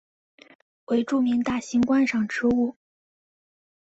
为著名大型观赏植物。